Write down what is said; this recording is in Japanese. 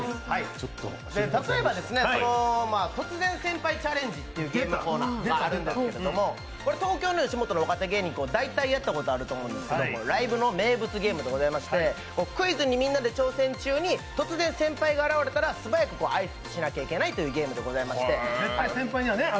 例えば、突然、先輩チャレンジというゲームがあるんですけど、東京の吉本の若手芸人は皆やったことあると思うんですけどライブの名物ゲームがございまして、クイズにみんなで挑戦中に、突然先輩が現れたら素早く挨拶しなければいけないというゲームでして。